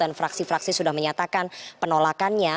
dan fraksi fraksi sudah menyatakan penolakannya